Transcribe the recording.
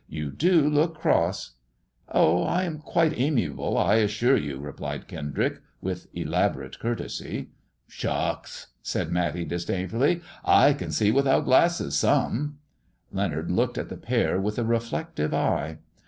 " You do look cross 1 " MISS JONATHAN 185 Oh, I am quite amiable, I assure you," replied Kendrick, with elaborate courtesy. Schucks !" said Matty, disdainfully. " I can see without glasses, some.'' Leonard looked at the pair with a reflective eye.